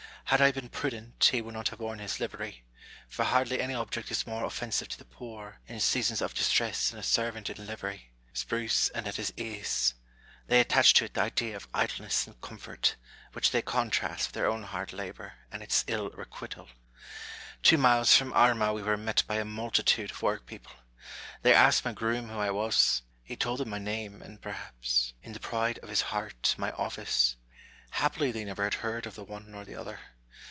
Had I been prudent, he would not have worn his livery; for hardly any object is more offensive to the poor, in sea sons of distress, than a servant in livery, spruce and at his ease. They attach to it the idea of idleness and comfort, which they contrast with their own hard labour and its ill requital. Two miles from Armagh we were met by a multitude of BOULTER AND SAVAGE. 115 work people ; they asked my groom who I was ; he told them my name, and, perhaps, in the pride of his heart, my office. Happily they never had heard of the one or the other.